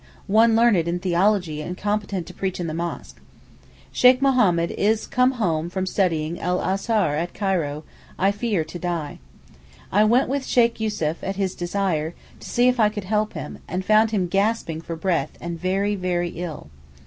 _, one learned in theology and competent to preach in the mosque). Sheykh Mohammed is come home from studying in 'El Azhar' at Cairo—I fear to die. I went with Sheykh Yussuf, at his desire, to see if I could help him, and found him gasping for breath and very, very ill.